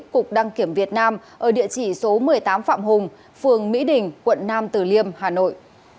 cục đăng kiểm việt nam ở địa chỉ số một mươi tám phạm hùng phường mỹ đình quận nam tử liêm hà nội